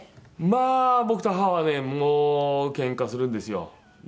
まあ僕と母はねもうけんかするんですよ。